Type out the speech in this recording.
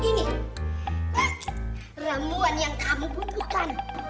ini ramuan yang kamu butuhkan